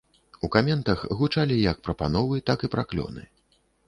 У каментах гучалі як прапановы, так і праклёны.